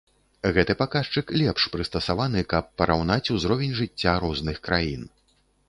Гэты паказчык лепш прыстасаваны, каб параўнаць узровень жыцця розных краін.